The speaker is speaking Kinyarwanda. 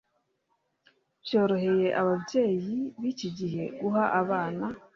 byoroheye ababyeyi biki gihe guha abana